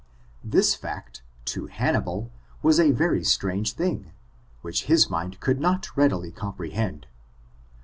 This fact, to Hanni* bal, was a very strange thing, which his mind conld not readily comprehend.